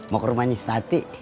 mau ke rumah nyis tati